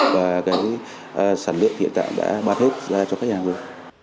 và cái sản lượng hiện tại đã bán hết ra cho khách hàng rồi